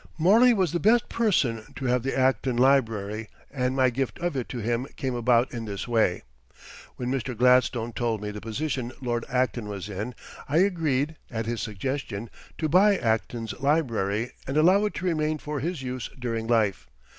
Morley was the best person to have the Acton library and my gift of it to him came about in this way. When Mr. Gladstone told me the position Lord Acton was in, I agreed, at his suggestion, to buy Acton's library and allow it to remain for his use during life.